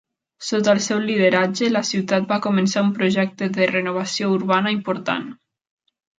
Sota el seu lideratge, la ciutat va començar un projecte de renovació urbana important.